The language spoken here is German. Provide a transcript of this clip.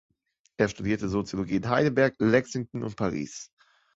Er studierte Soziologie in Heidelberg, Lexington und Paris.